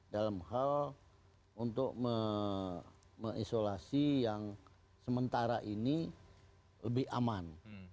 dalam hal untuk mengisolasi yang sementara ini lebih aman